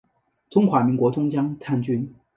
中华民国中将参军。